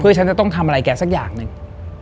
เพื่อฉันจะต้องทำอะไรแกสักอย่างหนึ่ง